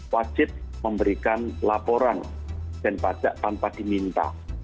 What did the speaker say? wajib memberikan laporan dan pajak tanpa diminta